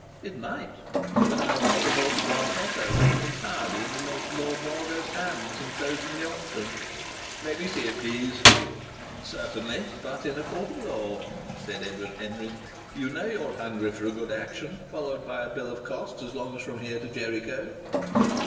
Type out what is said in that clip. "It might. But I've got an autograph letter written entirely in the late Lord Woldo's hand, enclosing the option." "Let me see it, please." "Certainly but in a court of law," said Edward Henry. "You know you're hungry for a good action, followed by a bill of costs as long as from here to Jericho."